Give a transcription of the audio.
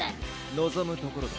望むところだ。